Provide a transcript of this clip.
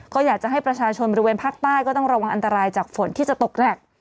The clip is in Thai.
ก็อยากจะให้ประชาชนบริเวณภาคใต้ก็ต้องระวังอันตรายจากฝนที่จะตกหนัก